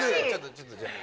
ちょっとじゃあ。